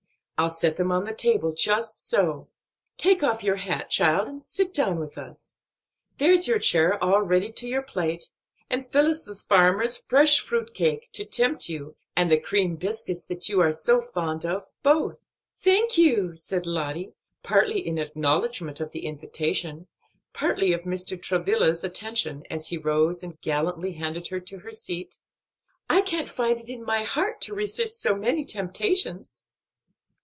I'll set them on the table just so. Take off your hat, child, and sit down with us. There's your chair all ready to your plate, and Phillis's farmer's fresh fruit cake, to tempt you, and the cream biscuits that you are so fond of, both." "Thank you," said Lottie, partly in acknowledgment of the invitation, partly of Mr. Travilla's attention, as he rose and gallantly handed her to her seat, "I can't find it in my heart to resist so many temptations."